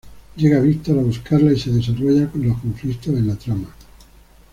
Llega Víctor a buscarla y se desarrollan los conflictos en la trama.